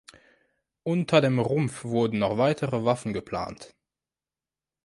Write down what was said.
Unter dem Rumpf wurden noch weitere Waffen geplant.